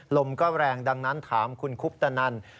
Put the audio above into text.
ลมก็แรงดังนั้นถามคุณคุปตนัน